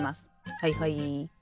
はいはい。